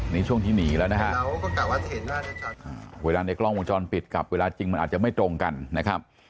นี่ช่วงที่หนีแล้วนะฮะเวลาในกล้องวงจรปิดกับเวลาจริงมันอาจจะไม่ตรงกันนะครับ